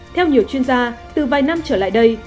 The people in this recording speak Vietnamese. theo nhiều chuyên gia từ vài năm trở lại đây